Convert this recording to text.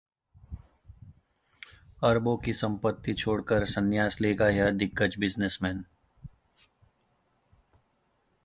अरबों की संपत्ति छोड़कर संन्यास लेगा यह दिग्गज बिजनेसमैन